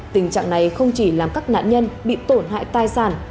tình trạng này không chỉ làm các nạn nhân bị tổn hại tài sản